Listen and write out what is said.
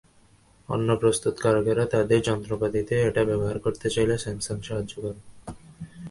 অন্য প্রস্তুতকারকেরা তাদের যন্ত্রপাতিতে এটা ব্যবহার করতে চাইলে স্যামসাং সাহায্য করবে।